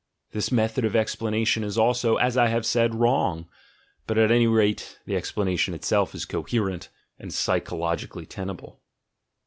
This method of explanation is also, as I have said, wrong, but at any rate the explanation itself is co herent, and psychologically tenable.